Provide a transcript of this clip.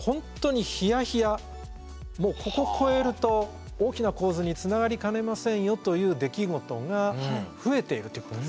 もうここ超えると大きな洪水につながりかねませんよという出来事が増えているということ。